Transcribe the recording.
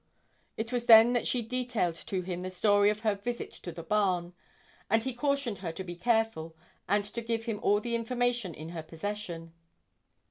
It was then that she detailed to him the story of her visit to the barn, and he cautioned her to be careful, and to give him all the information in her possession.